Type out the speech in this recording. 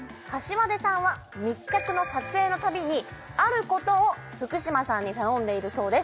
膳さんは密着の撮影の度にあることを福嶌さんに頼んでいるそうです